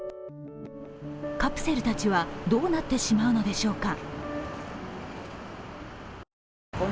カプセルたちは、どうなってしまうのでしょうか。